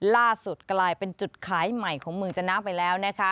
ล่าสุดกลายเป็นจุดขายใหม่ของเมืองจนะไปแล้วนะคะ